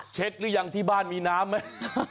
หรือยังที่บ้านมีน้ำไหม